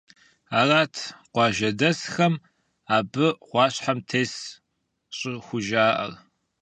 Арат къуажэдэсхэм абы гъуащхьэм тесщ щӀыхужаӀэр.